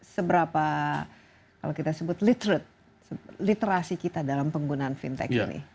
seberapa kalau kita sebut literate literasi kita dalam penggunaan fintech ini